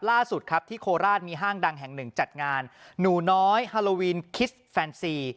ล่าสุดครับที่โคราชมีห้างดังแห่งหนึ่งจัดงานหนูน้อยฮาโลวีนคิสแฟนซี